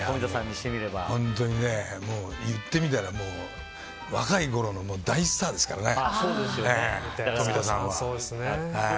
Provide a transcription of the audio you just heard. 本当に、言ってみたら若いころの大スターですからね。